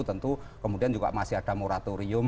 tentu kemudian juga masih ada moratorium